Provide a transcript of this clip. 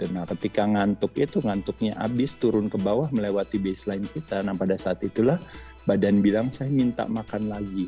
nah ketika ngantuk itu ngantuknya habis turun ke bawah melewati baseline kita pada saat itulah badan bilang saya minta makan lagi